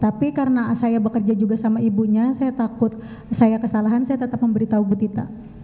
tapi karena saya bekerja juga sama ibunya saya takut saya kesalahan saya tetap memberitahu bu tita